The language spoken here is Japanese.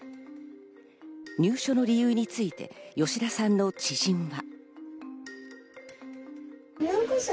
入所の理由について吉田さんの知人は。